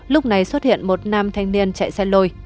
lúc này xuất hiện một nam thanh niên chạy xe lôi